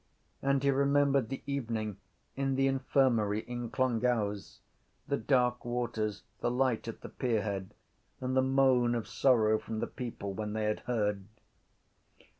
And he remembered the evening in the infirmary in Clongowes, the dark waters, the light at the pierhead and the moan of sorrow from the people when they had heard.